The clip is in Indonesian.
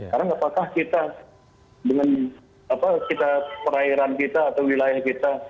karena apakah kita dengan perairan kita atau wilayah kita